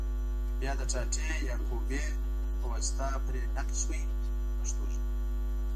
بیا د ټاټې یا کوبې په واسطه پرې نقش وهي په پښتو ژبه.